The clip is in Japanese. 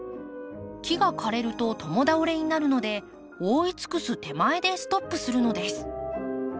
木が枯れると共倒れになるので覆い尽くす手前でストップするのです。